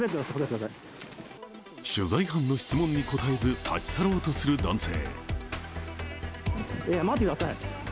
取材班の質問に答えず立ち去ろうとする男性。